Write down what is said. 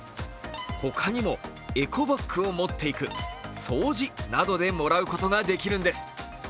ほかにもエコバッグを持っていく、掃除などでもらうことができるんです。